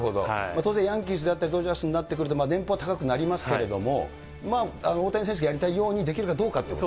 当然、ヤンキースであったり、ドジャースになってくると年俸は高くなりますけど、大谷選手がやりたいようにできるかどうかということ？